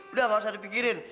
udah gak usah dipikirin